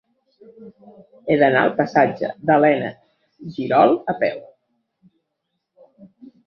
He d'anar al passatge d'Elena Girol a peu.